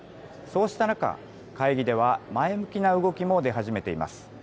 そうした中、会議では前向きな動きも出始めています。